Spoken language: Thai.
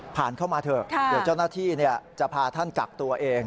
เข้ามาเถอะเดี๋ยวเจ้าหน้าที่จะพาท่านกักตัวเอง